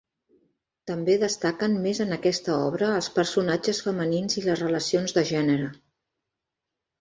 També destaquen més en aquesta obra els personatges femenins i les relacions de gènere.